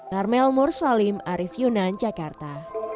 karmel mursalim arief yunan jakarta